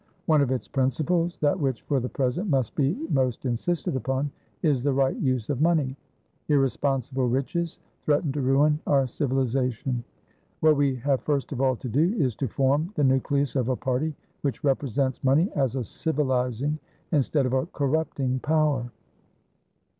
One of its principlesthat which for the present must be most insisted uponis the right use of money. Irresponsible riches threaten to ruin our civilisation. What we have first of all to do is to form the nucleus of a party which represents money as a civilising, instead of a corrupting, power."